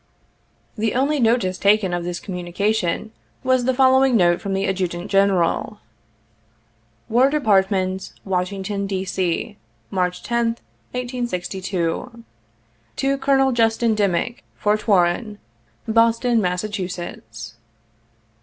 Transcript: The only notice taken of this communication was the following note from the Adjutant General : 11 80 "War Department, "Washington City, D. C., March 10th, 1862. " To Colonel JUSTIN DIMICK, Fort Warren, " Boston, Massachusetts.